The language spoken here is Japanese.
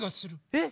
えっ